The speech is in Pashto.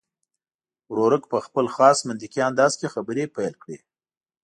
ورورک په خپل خاص منطقي انداز کې خبرې پیل کړې.